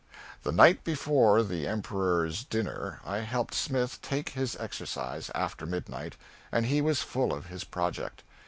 The night before the Emperor's dinner I helped Smith take his exercise, after midnight, and he was full of his project.